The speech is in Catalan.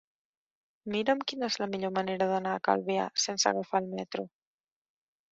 Mira'm quina és la millor manera d'anar a Calvià sense agafar el metro.